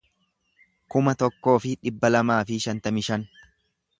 kuma tokkoo fi dhibba lamaa fi shantamii shan